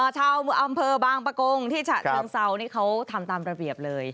ชาวอำเภอบางประกงที่ฉะเชิงเซานี่เขาทำตามระเบียบเลย